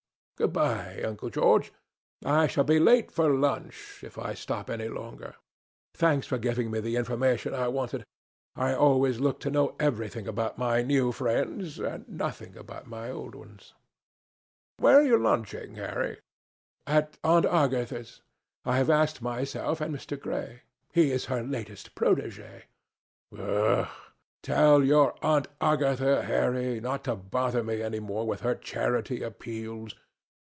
"Good bye, Uncle George. I shall be late for lunch, if I stop any longer. Thanks for giving me the information I wanted. I always like to know everything about my new friends, and nothing about my old ones." "Where are you lunching, Harry?" "At Aunt Agatha's. I have asked myself and Mr. Gray. He is her latest protégé." "Humph! tell your Aunt Agatha, Harry, not to bother me any more with her charity appeals.